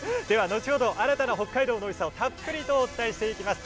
後ほど新たな北海道のおいしさをたっぷりとお伝えします。